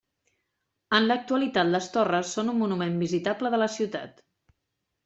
En l'actualitat les torres són un monument visitable de la ciutat.